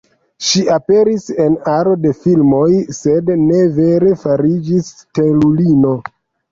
Ŝi aperis en aro da filmoj, sed ne vere fariĝis stelulino.